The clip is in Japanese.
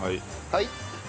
はい。